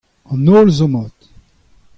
An holl zo mat.